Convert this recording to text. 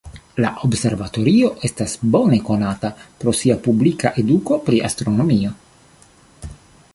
La observatorio estas bone konata pro sia publika eduko pri astronomio.